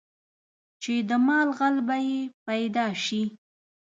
چې د مال غل به یې پیدا شي.